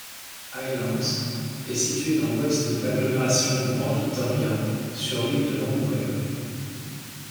Highlands est situé dans l'ouest de l'agglomération du Grand Victoria sur l'île de Vancouver.